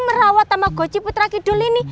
merawat tamagoci putra kidul ini